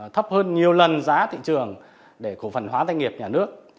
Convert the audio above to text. thấp hơn nhiều lần giá thị trường để cổ phần hóa doanh nghiệp nhà nước